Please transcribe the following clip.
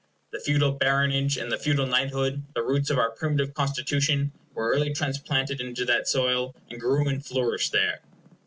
The feudal baronage and the feudal knighthood, the roots of our primitive Constitution, were early transplanted into that soil, and grew and flourished there.